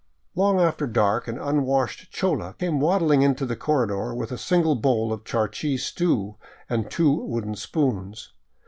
Long after dark an unwashed chola came waddling into the corre dor with a single bowl of charqui stew and two wooden spoons.